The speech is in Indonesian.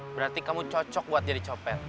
berarti kamu cocok buat jadi copet